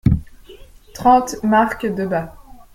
trente marque Debat